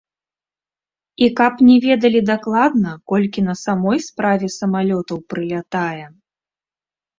І каб не ведалі дакладна, колькі на самой справе самалётаў прылятае.